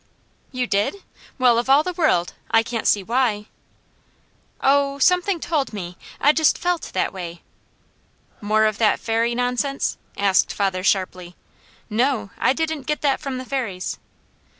"You did? Well of all the world! I can't see why." "Oh something told me! I just FELT that way." "More of that Fairy nonsense?" asked father sharply. "No. I didn't get that from the Fairies."